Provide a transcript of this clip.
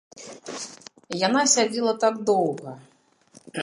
Яна сядзела так доўга.